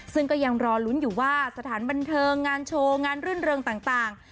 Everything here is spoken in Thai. ซึ่งก็ยังรอลุ้นอยู่ว่าสถานบันเทิงงานโชว์งานรื่นเริงต่าง